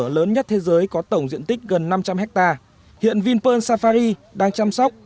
lớn nhất thế giới có tổng diện tích gần năm trăm linh hectare hiện vinpearl safari đang chăm sóc